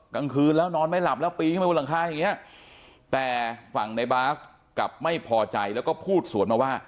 กลางคืนแล้วนอนไม่หลับแล้วปีนขึ้นไปบนหลังคาอย่างนี้แต่ฝั่งในบาสกลับไม่พอใจแล้วก็พูดสวนมาว่า